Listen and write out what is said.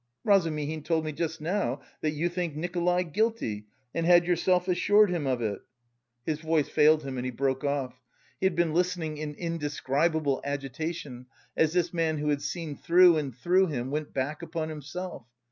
"Razumihin told me just now that you think Nikolay guilty and had yourself assured him of it...." His voice failed him, and he broke off. He had been listening in indescribable agitation, as this man who had seen through and through him, went back upon himself.